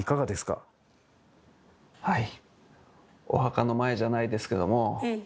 はい。